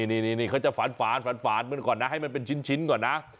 นี่เขาจะฝานมันก่อนนะให้มันเป็นชิ้นก่อนนะ